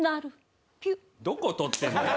どこ取ってんだよ！